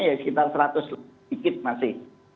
ya sekitar seratus dikit masih